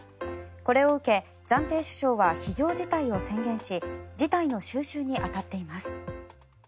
これを受け、暫定首相は非常事態を宣言し事態の収拾に当たっています。